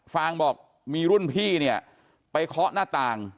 ฟางบอกมีรุ่นพี่เนี่ยไปเคาะหน้าต่าง